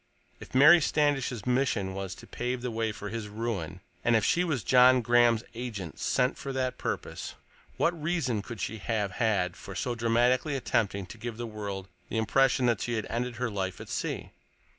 If Mary Standish's mission was to pave the way for his ruin, and if she was John Graham's agent sent for that purpose, what reason could she have had for so dramatically attempting to give the world the impression that she had ended her life at sea?